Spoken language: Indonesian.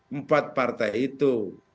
empat partai itu